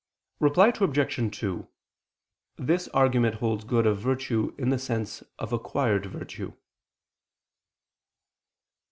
Reply Obj. 2: This argument holds good of virtue in the sense of acquired virtue.